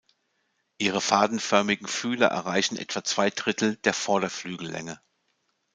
Ihre fadenförmigen Fühler erreichen etwa zwei Drittel der Vorderflügellänge.